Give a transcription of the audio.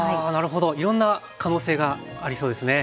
いろんな可能性がありそうですね。